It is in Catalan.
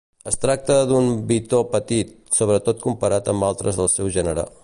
Es tracta d'un bitó petit, sobretot comparat amb altres del seu gènere.